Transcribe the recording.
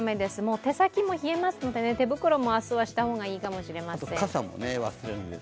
手先も増えますので、手袋もした方がいいかもしれません。